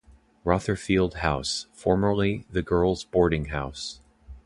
Rotherfield House: Formerly the girls' boarding house.